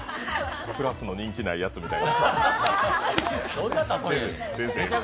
クラスの人気ないやつみたい。